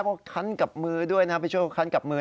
ว่าคันกลับมือด้วยนะพี่โชคาวคันกับมือ